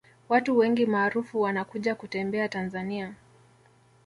watu wengi maarufu wanakuja kutembea tanzania